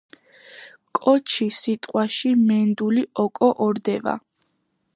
კოჩი სიტყვაში მენდული ოკო ორდევა.